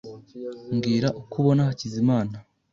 Mbwira uko ubona Hakizimana .